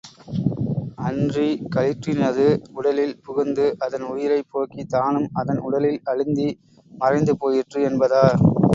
அன்றி களிற்றினது உடலில் புகுந்து அதன் உயிரைப் போக்கித் தானும் அதன் உடலில் அழுந்தி மறைந்துபோயிற்று என்பதா?